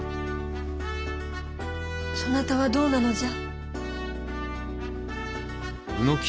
そなたはどうなのじゃ？